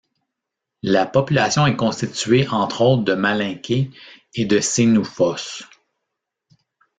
La population est constituée entre autres de Malinkés et de Sénoufos.